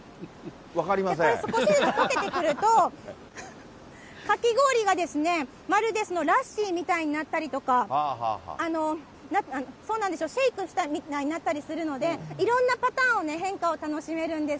溶けてくると、かき氷がまるでラッシーみたいになったりとか、そうなんですよ、シェイクしたみたいになったりするので、いろんなパターンを、変化を楽しめるんです。